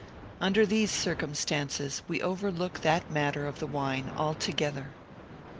Under these circumstances we overlook that matter of the wine altogether.'